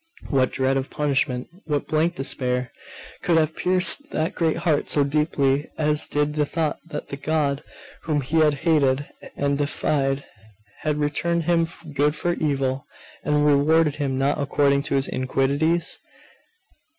What dread of punishment, what blank despair, could have pierced that great heart so deeply as did the thought that the God whom he had hated and defied had returned him good for evil, and rewarded him not according to his iniquities?